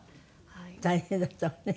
大変だったわね。